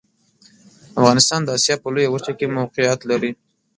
افغانستان د اسیا په لویه وچه کې موقعیت لري.